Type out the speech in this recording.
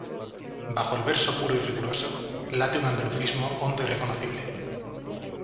Bajo el verso puro y riguroso, late un andalucismo hondo y reconocible.